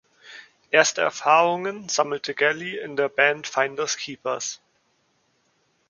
Erste Erfahrungen sammelte Galley in der Band "Finders Keepers".